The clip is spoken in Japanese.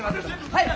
はい。